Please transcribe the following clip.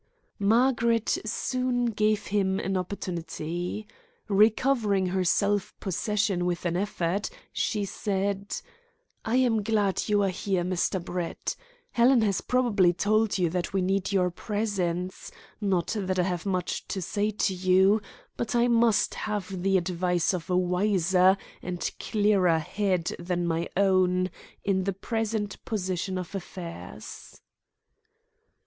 Margaret soon gave him an opportunity. Recovering her self possession with an effort, she said: "I am glad you are here, Mr. Brett. Helen has probably told you that we need your presence not that I have much to say to you, but I must have the advice of a wiser and clearer head than my own in the present position of affairs."